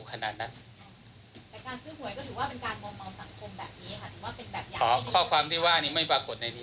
อ๋อข้อความที่ว่าไม่ปรากฎในนี้